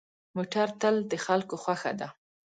موټر تل د خلکو خوښه ده.